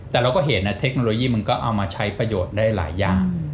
แต่เราก็เห็นนะเทคโนโลยีมันก็เอามาใช้ประโยชน์ได้หลายอย่าง